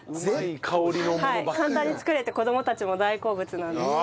簡単に作れて子供たちも大好物なんです。